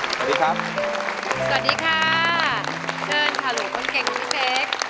สวัสดีครับสวัสดีค่ะเชิญข่าวหลวงก้นเกงของเจ๊เฟค